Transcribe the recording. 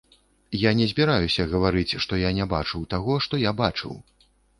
Я не збіраюся гаварыць, што я не бачыў таго, што я бачыў.